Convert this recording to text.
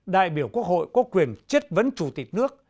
đại biểu quốc hội có quyền chất vấn chủ tịch nước